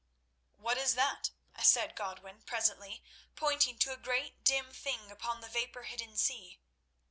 "What is that?" said Godwin presently, pointing to a great, dim thing upon the vapour hidden sea.